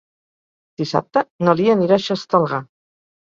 Dissabte na Lia anirà a Xestalgar.